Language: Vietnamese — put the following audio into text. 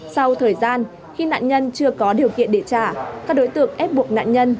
sau thời gian khi nạn nhân chưa có điều kiện để trả các đối tượng ép buộc nạn nhân